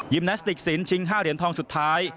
ยิมนาสติกศิลป์ชิง๕เหรียญทองสุดท้าย